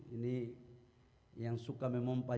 ini yang suka memompah